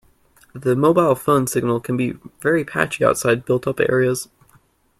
The mobile phone signal can be very patchy outside built-up areas